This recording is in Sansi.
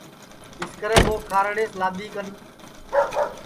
اِسکرے ٻو کھارڑیس لادؔی کن